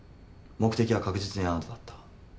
目的は確実にあなただった。